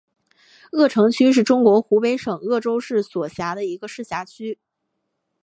鄂城区是中国湖北省鄂州市所辖的一个市辖区。